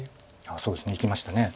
そうですねいきました。